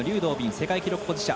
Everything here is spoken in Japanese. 世界記録保持者。